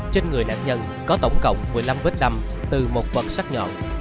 trên người nạn nhân có tổng cộng một mươi năm vết đầm từ một vật sắt nhọn